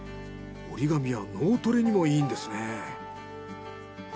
おりがみは脳トレにもいいんですね。